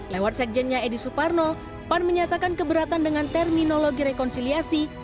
lewat sekjennya edi suparno pan menyatakan keberatan dengan terminologi rekonsiliasi